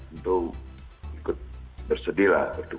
untuk bersedih lah